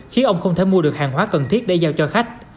khiến ông không thể mua được hàng hóa cần thiết để giao cho khách